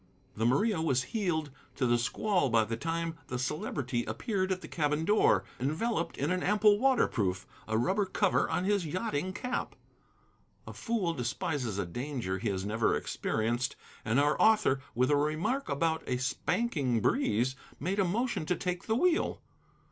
The Maria was heeling to the squall by the time the Celebrity appeared at the cabin door, enveloped in an ample waterproof, a rubber cover on his yachting cap. A fool despises a danger he has never experienced, and our author, with a remark about a spanking breeze, made a motion to take the wheel.